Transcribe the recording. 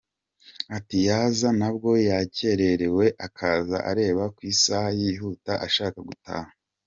Ati: “Yaza nabwo yakererewe, akaza areba ku isaha yihuta ashaka gutaha.